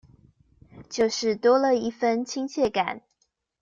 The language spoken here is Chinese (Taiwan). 就是多了一分親切感